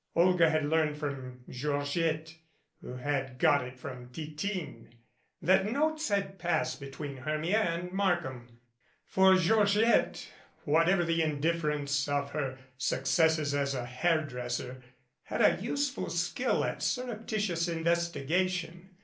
Olga had learned from Georgette, who had got it from Titine, that notes had passed between Hermia and Markham, for Georgette, 167, MADCAP whatever the indifference of her successes as a hair dresser, had a useful skill at surreptitious investigation.